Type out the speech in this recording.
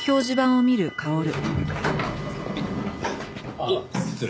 あっ失礼。